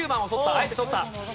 あえて取った。